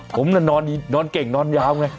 ผมน่ะนอนเก่งนอนยาวไง